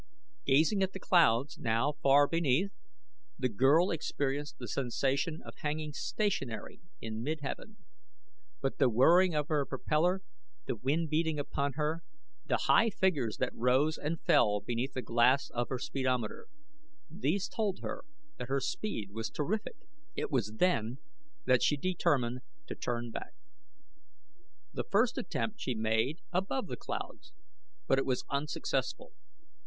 Gazing at the clouds, now far beneath, the girl experienced the sensation of hanging stationary in mid heaven; but the whirring of her propellor, the wind beating upon her, the high figures that rose and fell beneath the glass of her speedometer, these told her that her speed was terrific. It was then that she determined to turn back. The first attempt she made above the clouds, but it was unsuccessful.